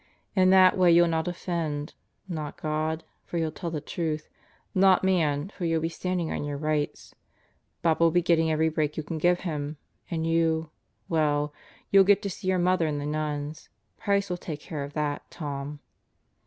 In that way you'll not offend not God, for you'll tell the truth; not man, for you'll be standing on your rights. Bob will be getting every break you can give him. And you ... well, you'll get to see your mother and the nuns. Price will take care of that, Tom."